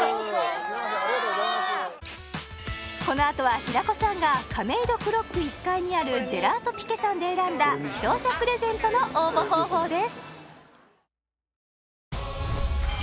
このあとは平子さんがカメイドクロック１階にあるｇｅｌａｔｏｐｉｑｕｅさんで選んだ視聴者プレゼントの応募方法です